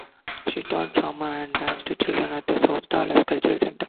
She taught drama and dance to children at the South Dallas Cultural Center.